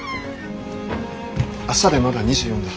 明日でまだ２４だ。